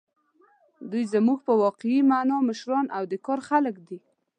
دوی زموږ په واقعي مانا مشران او د کار خلک دي.